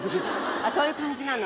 そういう感じなの？